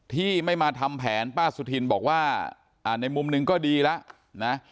ที่ไม่มาทำแผนป้าสุธินบอกว่าในมุมหนึ่งก็ดีแล้วนะ